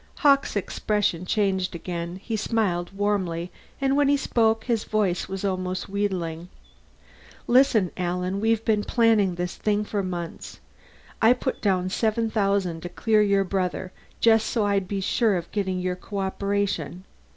'" Hawkes' expression changed again; he smiled warmly, and when he spoke his voice was almost wheedling. "Listen, Alan, we've been planning this thing for months. I put down seven thousand to clear your brother, just so I'd be sure of getting your cooperation.